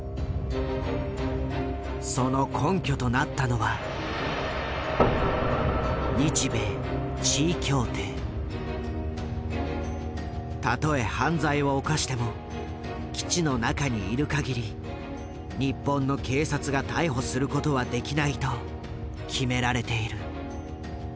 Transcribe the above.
その根拠となったのはたとえ犯罪を犯しても基地の中にいる限り日本の警察が逮捕することはできないと決められている。